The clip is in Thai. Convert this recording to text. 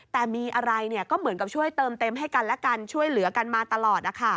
แต่มีอะไรก็เหมือนกับช่วยเติมเต็มให้กันและกันช่วยเหลือกันมาตลอด